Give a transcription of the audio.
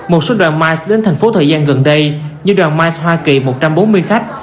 một số đoàn mice đến thành phố thời gian gần đây như đoàn mice hoa kỳ một trăm bốn mươi khách